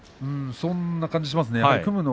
そんな感じがしましたね。